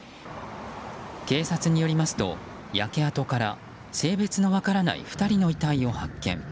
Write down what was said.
警察によりますと焼け跡から性別の分からない２人の遺体を発見。